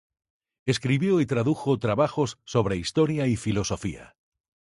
Escribió y tradujo trabajos sobre historia y filosofía.